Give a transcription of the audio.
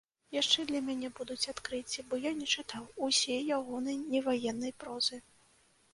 Яшчэ для мяне будуць адкрыцці, бо я не чытаў усёй ягонай неваеннай прозы.